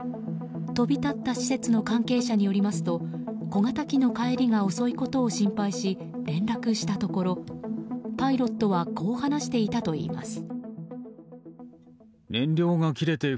飛び立った施設の関係者によりますと小型機の帰りが遅いことを心配し連絡したところ、パイロットはこう話していたといいます。